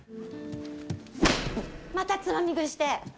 また、つまみ食いして！